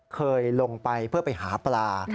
เคยลงไปเพื่อไปหาปลา